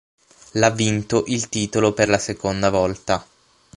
L' ha vinto il titolo per la seconda volta.